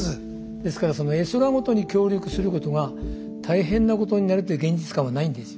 ですからその絵空事に協力することが大変なことになるという現実感はないんですよ。